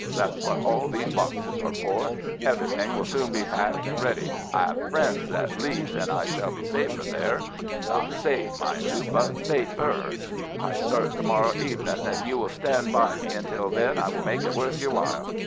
That's what all these boxes are for. Everything will soon be packed and ready. I 'ave friends at Leeds, and I shall be safer there. Not safe, mind you, but safer. I start to morrow evening, and if you will stand by me until then I will make it worth your while.